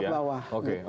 memang harus laut bawah